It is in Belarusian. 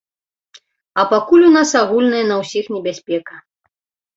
А пакуль у нас агульная на ўсіх небяспека.